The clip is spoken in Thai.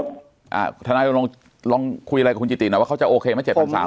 ครับทนาลงลองคุยอะไรกับคุณจิติน่ะว่าเขาจะโอเคมั้ย๗๐๐๐บวก